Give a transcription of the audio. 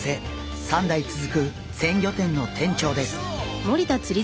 ３代続く鮮魚店の店長です。